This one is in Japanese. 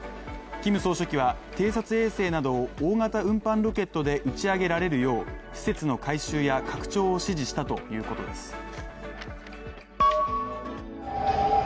キム総書記は、偵察衛星などを大型運搬ロケットで打ち上げられるよう施設の改修や拡張を指示したということです。